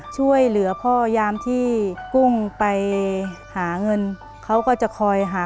เปลี่ยนเพลงเพลงเก่งของคุณและข้ามผิดได้๑คำ